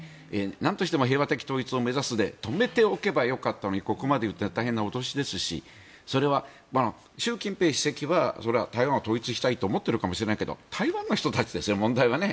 何としても平和的統一を目指すで止めておけばよかったのにここまで言ったら大変な脅しですし習近平主席はそれは台湾は統一したいと思っているかもしれないけど台湾の人たちですよ、問題はね。